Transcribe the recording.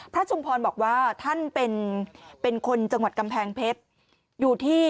พระจงพรบอกว่าท่านเป็นคนจังหวัดกำแพงเพชร